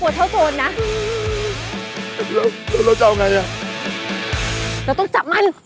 เราต้องจับมัน